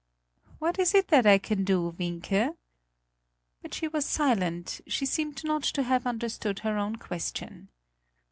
"What is it that I can do, Wienke?" But she was silent; she seemed not to have understood her own question.